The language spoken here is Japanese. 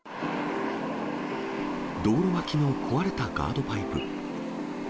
道路脇の壊れたガードパイプ。